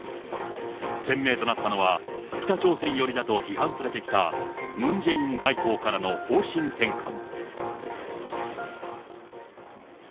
鮮明となったのは、北朝鮮寄りだと批判されてきた、ムン・ジェイン外交からの方針転換。